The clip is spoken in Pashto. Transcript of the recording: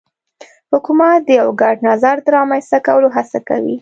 حکومت د یو ګډ نظر د رامنځته کولو هڅه کوي